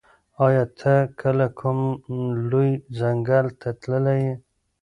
ایا ته کله کوم لوی ځنګل ته تللی یې؟